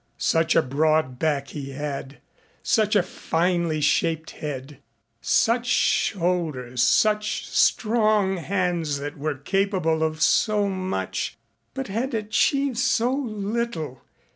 Such a broad back he had, such a finely shaped head, such shoulders, such strong hands that were capable of so much but had achieved so little.